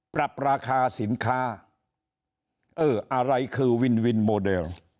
ปรับราคาสินค้าเอออะไรคือวินวินโมเดล